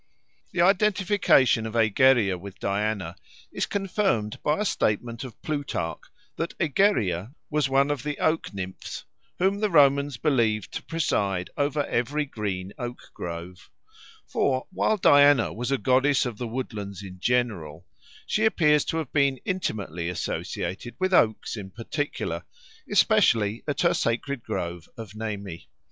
The identification of Egeria with Diana is confirmed by a statement of Plutarch that Egeria was one of the oak nymphs whom the Romans believed to preside over every green oak grove; for, while Diana was a goddess of the woodlands in general, she appears to have been intimately associated with oaks in particular, especially at her sacred grove of Nemi.